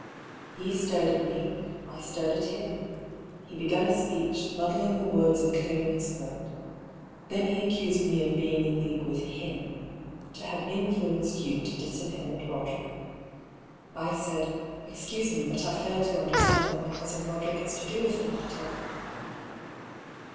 He stared at me, I stared at him. He began a speech, muddling the words and clearing his throat. Then he accused me of being in league with him — to have in fluenced you to disinherit Roderick. I said :" Excuse me ; but I fail to understand what my cousin Roderick has to do with the matter."